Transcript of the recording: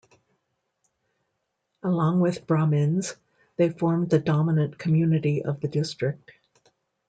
Along with Brahmins, they formed the domininant community of the district.